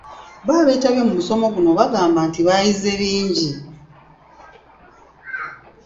Bo abeetabye mu musomo guno, bagamba nti baayize bingi.